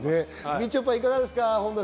みちょぱ、いかがですか？